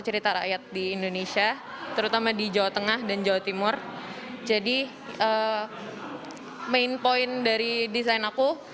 cerita rakyat di indonesia terutama di jawa tengah dan jawa timur jadi main point dari desain aku